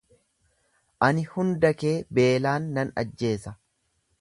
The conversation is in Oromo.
Ani hunda kee beelaan nan ajjeesa.